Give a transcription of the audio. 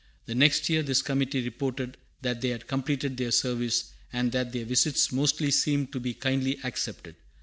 The next year this committee reported that they had completed their service, "and that their visits mostly seemed to be kindly accepted.